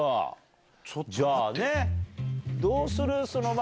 じゃあどうする？